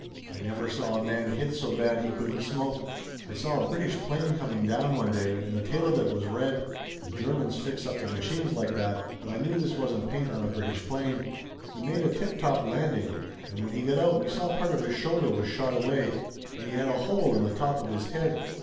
I never saw a man hit so bad he couldn't smoke. I saw a British 'plane coming down one day and the tail of it was red. The Germans fix up their machines like that, but I knew this wasn't paint on a British plane. He made a tiptop landing, and when he got out we saw part of his shoulder was shot away and he had a hole in the top of his head.